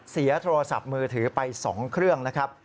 เสียโทรศัพท์มือถือไป๒เครื่องนะครับ